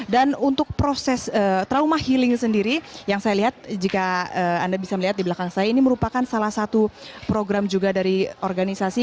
dan untuk proses trauma healing sendiri yang saya lihat jika anda bisa melihat di belakang saya ini merupakan salah satu program juga dari organisasi